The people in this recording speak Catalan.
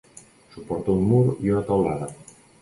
Suporta un mur i una teulada.